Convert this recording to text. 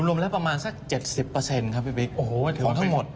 รวมแล้วประมาณสัก๗๐ครับพี่บิ๊กโอ้โหของทั้งหมด